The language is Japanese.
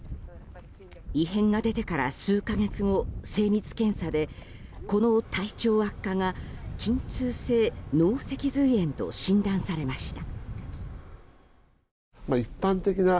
異変が出てから数か月後精密検査でこの体調悪化が筋痛性脳脊髄炎と診断されました。